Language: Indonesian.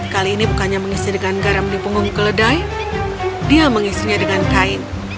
kali ini bukannya mengisi dengan garam di punggung keledai dia mengisinya dengan kain